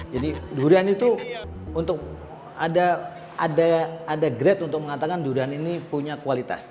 jadi durian itu untuk ada grade untuk mengatakan durian ini punya kualitas